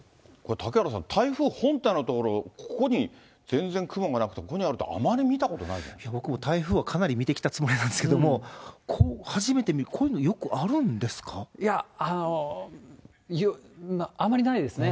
嵩原さん、台風本体の所、ここに全然雲がなくて、ここにあるって、僕も台風はかなり見てきたつもりなんですけれども、初めて見る、こういうの、よくあるんですいや、あまりないですね。